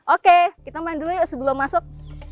oke kita main dulu yuk sebelum masuk